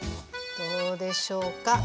どうでしょうか？